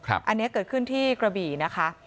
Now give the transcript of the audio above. อันนี้เกิดขึ้นที่กระบี่นะคะ